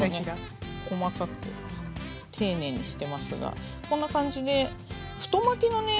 細かく丁寧にしてますがこんな感じで太巻きのね